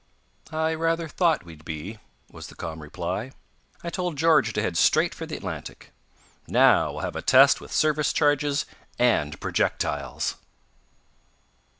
"I rather thought we'd be," was the calm reply. "I told George to head straight for the Atlantic. Now we'll have a test with service charges and projectiles!"